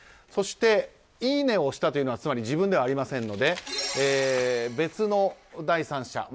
そしていいねを押したというのは自分ではありませんので別の第三者。